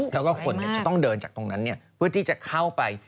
แล้วก็คนจะต้องเดินจากตรงนั้นเพื่อที่จะเข้าไป